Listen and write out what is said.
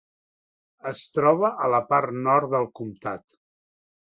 Es troba a la part nord del comtat.